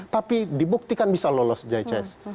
tapi dibuktikan bisa lolos jcs